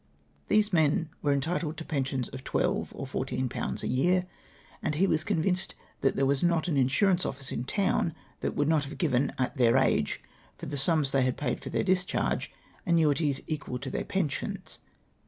These men were entitled to pensions of 12^ or 14/., a year ; and he was convinced that there was not an insurance office in town that would not have given, at their age, for the sinns tiiey had paid for tlieir discharge, annuities equal to their pensions.